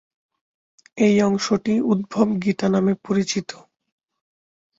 এই অংশটি "উদ্ধব গীতা" নামে পরিচিত।